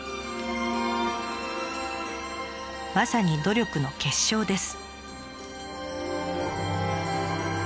まさに努力の結晶です。